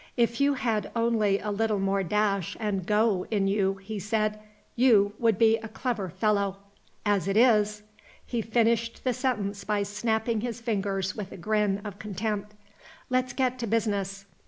"If you had only a little more dash and go in you," he said, "you would be a clever fellow. As it is !" He finished the sentence by snapping his fingers with a grin of contempt. "Let's get to business.